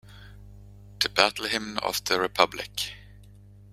The Battle Hymn of the Republic.